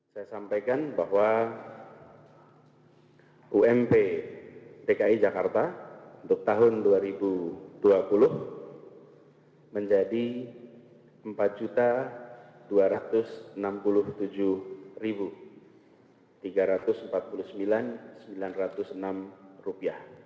saya sampaikan bahwa ump dki jakarta untuk tahun dua ribu dua puluh menjadi rp empat dua ratus enam puluh tujuh tiga ratus empat puluh sembilan sembilan ratus enam